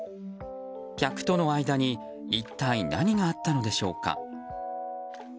客との間に一体何があったのでしょうか。